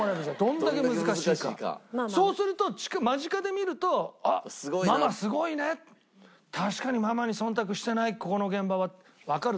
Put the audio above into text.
そうすると間近で見ると「あっママすごいね！」「確かにママに忖度してないここの現場は」って。